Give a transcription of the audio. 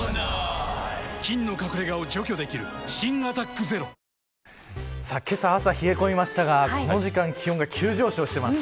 菌の隠れ家を除去できる新「アタックＺＥＲＯ」けさ、朝冷え込みましたがこの時間気温が急上昇しています。